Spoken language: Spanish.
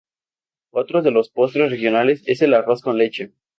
Otro de los postres regionales es el arroz con leche.